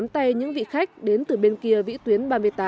tay những vị khách đến từ bên kia vĩ tuyến ba mươi tám